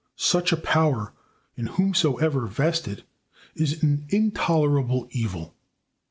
Such a power, in whomsoever vested, is an intolerable evil.